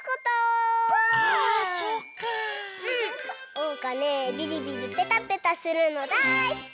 おうかねビリビリペタペタするのだいすき！